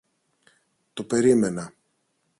Το περίμενα.